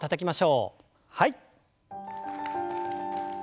はい。